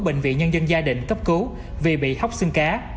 bệnh viện nhân dân gia định cấp cứu vì bị hóc xương cá